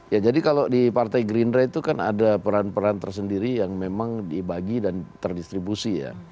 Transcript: ya jadi kalau di partai gerindra itu kan ada peran peran tersendiri yang memang dibagi dan terdistribusi ya